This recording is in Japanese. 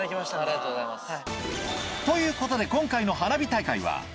ありがとうございます。